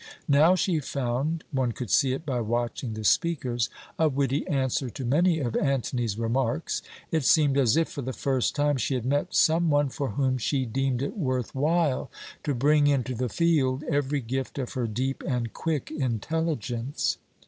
Now she found one could see it by watching the speakers a witty answer to many of Antony's remarks. It seemed as if, for the first time, she had met some one for whom she deemed it worth while to bring into the field every gift of her deep and quick intelligence.